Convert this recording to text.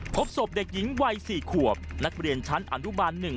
พบศพเด็กหญิงวัย๔ขวบนักเรียนชั้นอนุบาล๑